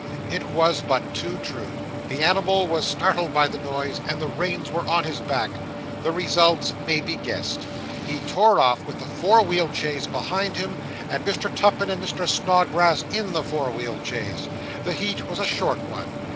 It was but too true. The animal was startled by the noise, and the reins were on his back. The results may be guessed. He tore off with the four wheeled chaise behind him, and Mr. Tupman and Mr. Snodgrass in the four wheeled chaise. The heat was a short one.